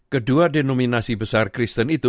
kedua denominasi besar kristen itu